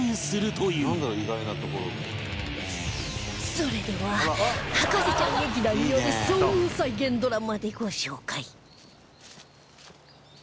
それでは博士ちゃん劇団による遭遇再現ドラマでご紹介